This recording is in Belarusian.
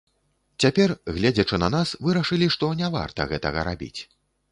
Цяпер, гледзячы на нас, вырашылі, што не варта гэтага рабіць.